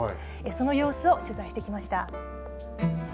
その様子を取材してきました。